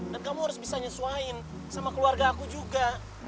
dan kamu harus bisa nyesuaiin sama keluarga aku juga